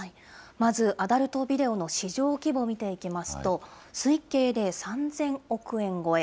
まず、アダルトビデオの市場規模を見ていきますと、推計で３０００億円超え。